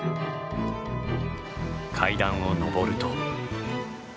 階段を上ると。